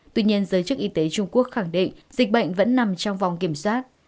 tuy nhiên giới chức y tế trung quốc khẳng định dịch bệnh vẫn nằm trong vòng kiểm soát